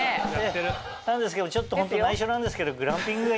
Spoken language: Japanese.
なんですけどもちょっとホント内緒なんですけど。